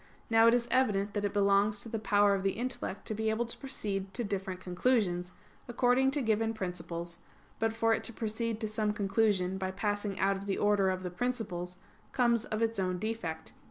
Now it is evident that it belongs to the power of the intellect to be able to proceed to different conclusions, according to given principles; but for it to proceed to some conclusion by passing out of the order of the principles, comes of its own defect.